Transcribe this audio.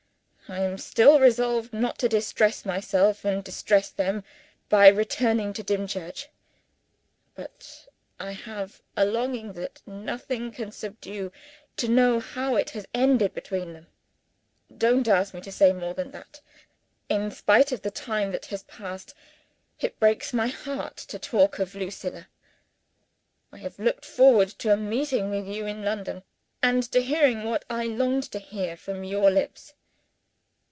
I am still resolved not to distress myself and distress them, by returning to Dimchurch. But I have a longing that nothing can subdue, to know how it has ended between them. Don't ask me to say more than that! In spite of the time that has passed, it breaks my heart to talk of Lucilla. I had looked forward to a meeting with you in London, and to hearing what I longed to hear, from your lips.